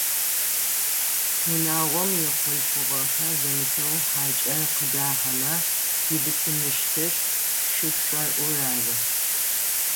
Унагъом ихъулъфыгъэхэр дэмысэу хьакӏэр къыдахьэмэ ибысымыщтыр шышӏоӏур ары.